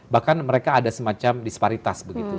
bahkan mereka ada semacam disparitas begitu